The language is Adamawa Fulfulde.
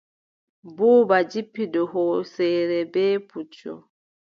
Buuba jippi dow hooseere bee puccu.